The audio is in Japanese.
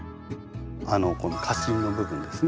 この花芯の部分ですね。